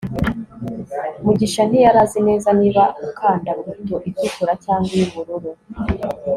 mugisha ntiyari azi neza niba ukanda buto itukura cyangwa iy'ubururu